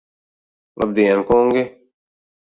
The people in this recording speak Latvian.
Labdien, kungi!